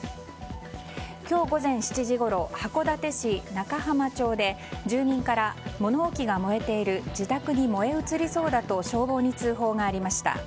今日午前７時ごろ函館市中浜町で住人から物置が燃えている自宅に燃え移りそうだと消防に通報がありました。